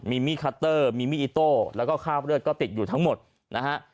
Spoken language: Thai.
มีมีดคัตเตอร์มีมีดอิโต้แล้วก็คราบเลือดก็ติดอยู่ทั้งหมดนะฮะ